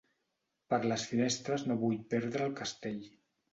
Per les finestres no vull perdre el castell.